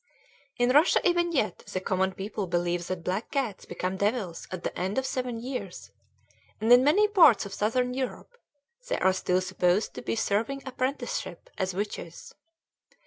In Russia even yet the common people believe that black cats become devils at the end of seven years, and in many parts of Southern Europe they are still supposed to be serving apprenticeship as witches.